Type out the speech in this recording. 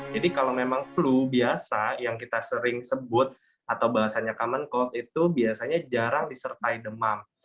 jadi kalau memang flu biasa yang kita sering sebut atau bahasanya common cold itu biasanya jarang disertai demam